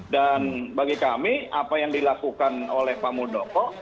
dan bagi kami apa yang dilakukan oleh pak muldoko